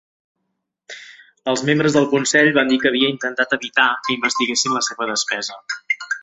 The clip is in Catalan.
Els membres del Consell van dir que havia intentat evitar que investiguessin la seva despesa.